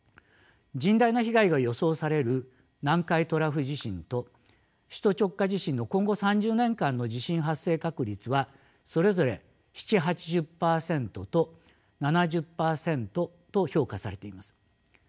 甚大な被害が予想される南海トラフ地震と首都直下地震の今後３０年間の地震発生確率はそれぞれ７０８０％と７０％と評価されています。